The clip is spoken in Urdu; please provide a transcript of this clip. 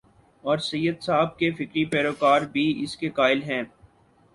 اورسید صاحب کے فکری پیرو کار بھی اسی کے قائل ہیں۔